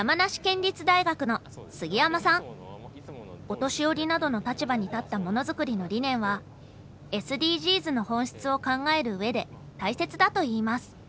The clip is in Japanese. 「お年寄りなどの立場にたったものづくり」の理念はＳＤＧｓの本質を考える上で大切だと言います。